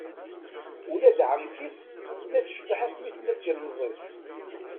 Ula d ɛemti-s tella tecbeḥ asmi tella d tilemẓit.